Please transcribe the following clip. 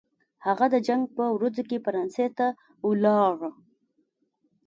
هغه د جنګ په ورځو کې فرانسې ته ولاړ.